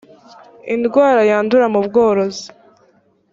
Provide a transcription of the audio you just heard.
indwara yandura mu bworozi